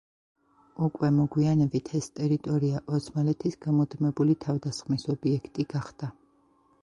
უკვე მოგვიანებით ეს ტერიტორია ოსმალეთის გამუდმებული თავდასხმის ობიექტი გახდა.